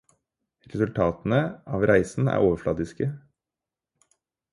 Resultatene av reisen er overfladiske.